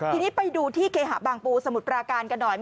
ทีนี้ไปดูที่เคหะบางปูสมุทรปราการกันหน่อย